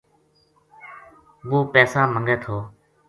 وہ پیسا منگے تھو۔